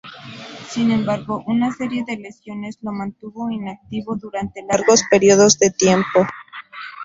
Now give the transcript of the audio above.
Sin embargo, una serie de lesiones lo mantuvo inactivo durante largos períodos de tiempo.